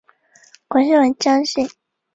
通过在钢材表面电镀锌而制成。